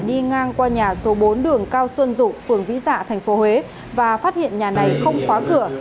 đi ngang qua nhà số bốn đường cao xuân dụ phường vĩ dạ tp huế và phát hiện nhà này không khóa cửa